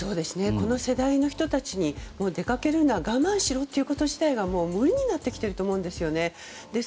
この世代の人たちに出かけるな、我慢しろということ自体が無理になってきてると思うんです。